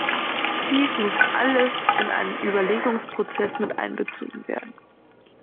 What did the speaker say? Dies muss alles in einen Überlegungsprozess mit einbezogen werden.